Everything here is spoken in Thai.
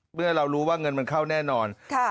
เมื่อเรารู้ว่าเงินมันเข้าแน่นอน